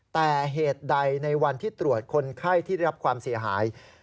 แต่เหตุใดในวันที่ตรวจคนไข้ที่ได้รับความเสียหาย